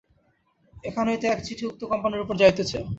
এখান হইতে এক চিঠি উক্ত কোম্পানীর উপর যাইতেছে।